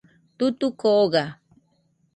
Tutuco oga.